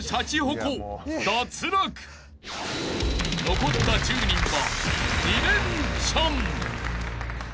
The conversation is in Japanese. ［残った１０人は］